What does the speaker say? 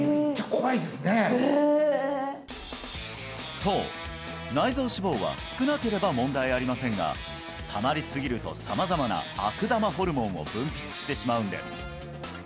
そう内臓脂肪は少なければ問題ありませんがたまりすぎると様々な悪玉ホルモンを分泌してしまうんです